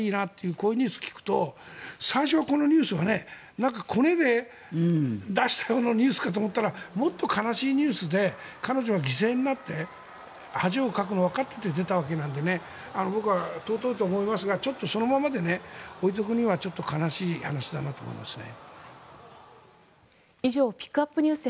こういうニュースを聞くと最初はこのニュースはコネで出したようなニュースかと思ったらもっと悲しいニュースで彼女は犠牲になって恥をかくのをわかっていて出たわけなので僕は尊いと思いますがそのままで置いておくにはちょっと悲しい話だなと思いますね。